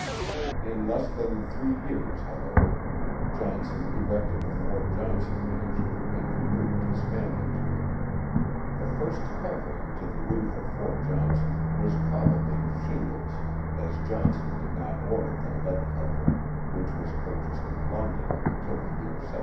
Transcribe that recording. In less than three years, however, Johnson erected the Fort Johnson mansion and removed his family to it. The first coveiing to the roof of Fort Johnson was prob ably of shingles, as Johnson did not order the lead covering, which was purchased in London, until the year 1749.